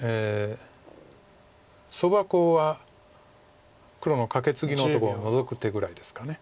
ソバコウは黒のカケツギのとこをノゾく手ぐらいですか。